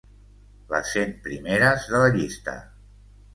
Les cent primeres de la llista.